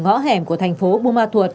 ngõ hẻm của thành phố bùa ma thuột